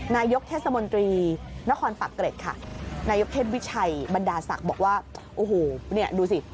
นายกเทศมนตรีนครปักเกร็ดค่ะนายกเทศวิชัยบรรดาศักดิ์บอกว่าโอ้โหเนี่ยดูสิ